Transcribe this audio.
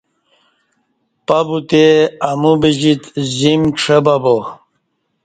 پہ بتے امو بجیت زیم کݜہ بہ با